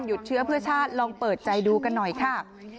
เชื้อเพื่อชาติลองเปิดใจดูกันหน่อยค่ะ